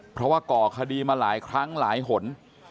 เพราะว่าก่อคดีมาหลายครั้งหลายหน